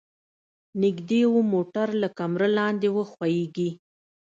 نږدې و موټر له کمره لاندې وښویيږي.